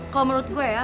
kalau menurut gue ya